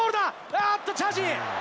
あーっと、チャージ！